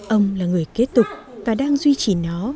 ông là người kế tục và đang duy trì nó